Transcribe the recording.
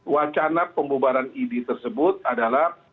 wacana pembubaran idi tersebut adalah